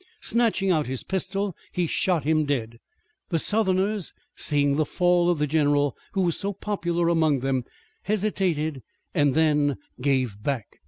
Snatching out his pistol he shot him dead. The Southerners seeing the fall of the general who was so popular among them hesitated and then gave back.